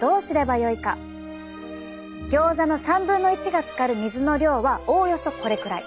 ギョーザの３分の１がつかる水の量はおおよそこれくらい。